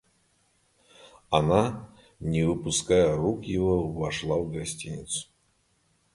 Она, не выпуская руки его, вошла в гостиную.